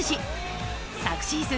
昨シーズン